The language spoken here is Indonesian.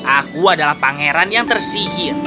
aku adalah pangeran yang tersihir